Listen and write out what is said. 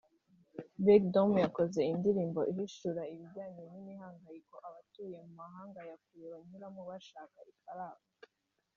Big Dom yakoze indirimbo ihishura ibijyanye n’imihangayiko abatuye mu mahanga ya kure banyuramo bashaka ifaranga